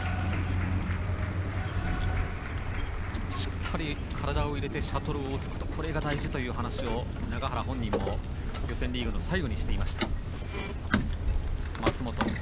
しっかり体を入れてシャトルを打つことが大事だと永原本人も予選リーグの最後にしていました。